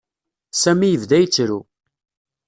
Sami yebda yettru.